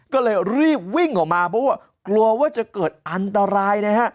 ก็เลยรีบวิ่งออกมาเพราะว่ากลัวว่าจะเกิดอันตรายนะฮะ